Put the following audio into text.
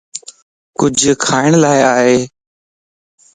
ڪچھه کاڻ لا ائي؟